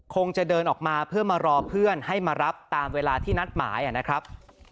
คงจะเดินออกมาเพื่อมารอเพื่อนให้มารับตามเวลาที่นัดหมายนะครับ